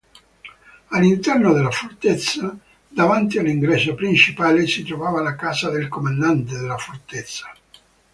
All'interno della fortezza, davanti all'ingresso principale, si trovava la casa del comandante della fortezza.